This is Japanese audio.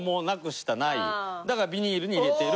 だからビニールに入れている。